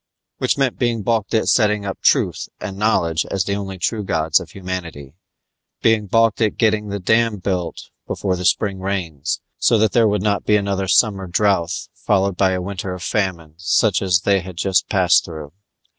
Which meant being balked at setting up Truth and Knowledge as the only true gods of humanity, being balked at getting the dam built before the spring rains, so that there would not be another summer drouth followed by a winter of famine such as they had just passed through.